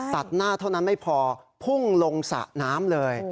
ตัดหน้าเท่านั้นไม่พอพุ่งลงสระน้ำเลย